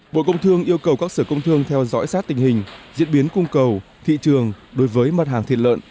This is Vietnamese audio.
bộ công thương yêu cầu các sở công thương theo dõi sát tình hình diễn biến cung cầu thị trường đối với mặt hàng thịt lợn